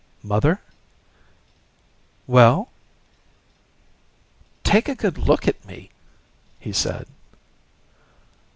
"Mother?" "Well?" "Take a good look at me," he said.